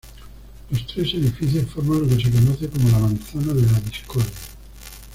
Los tres edificios forman lo que se conoce como "La manzana de la discordia".